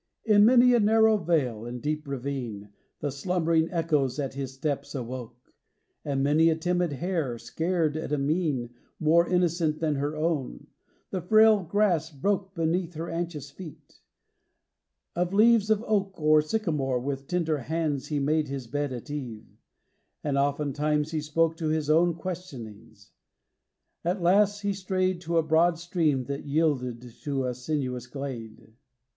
In many a narrow vale and deep ravine The slumbering echoes at his steps awoke; And many a timid hare, scared at a mien More innocent than her own, the frail grass broke Beneath her anxious feet. Of leaves of oak Or sycamore with tender hands he made His bed at eve; and oftentimes he spoke To his own questionings. At last he strayed To a broad stream that yielded to a sinuous glade. XXIII.